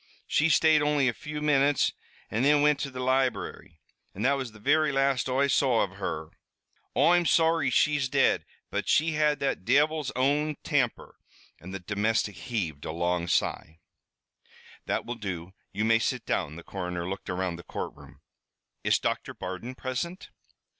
She stayed only a few minutes, an' thin wint to the library, an' that was the very last Oi saw av her. Oi'm sorry she's dead, but she had that divil's own temper!" And the domestic heaved a long sigh. "That will do. You may sit down." The coroner looked around the courtroom. "Is Doctor Bardon present?"